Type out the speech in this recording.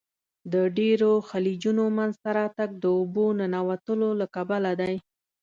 د ډیرو خلیجونو منځته راتګ د اوبو ننوتلو له کبله دی.